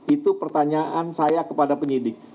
itu pertanyaan saya kepada penyidik